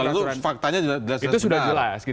luar faktanya itu sudah jelas